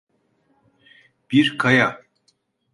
Bir kaya…